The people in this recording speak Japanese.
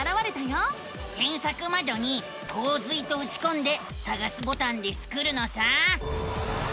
けんさくまどに「こう水」とうちこんでさがすボタンでスクるのさ。